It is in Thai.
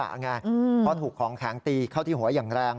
เพราะถูกของแข็งตีเข้าที่หัวอย่างแรง